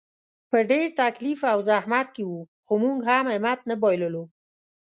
په ډېر تکلیف او زحمت کې وو، خو موږ هم همت نه بایللو.